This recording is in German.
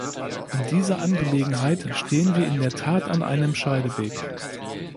In dieser Angelegenheit stehen wir in der Tat an einem Scheideweg.